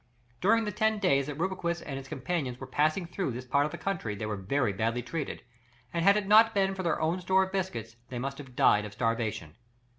During the ten days that Rubruquis and his companions were passing through this part of the country they were very badly treated, and had it not been for their own store of biscuits, they must have died of starvation.